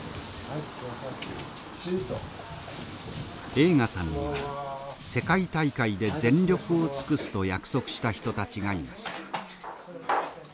栄花さんには世界大会で全力を尽くすと約束した人たちがいます。